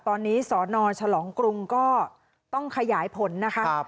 ตอนนี้สนฉลองกรุงก็ต้องขยายผลนะคะ